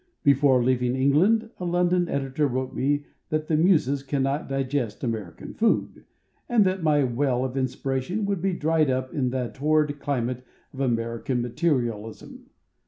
Before leaving England a London editor wrote me that the Muses cannot digest American food, and that my Well of Inspiration would be dried up in the torrid climate of American Materialism.